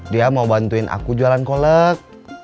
dia mau bantuin aku jualan kolek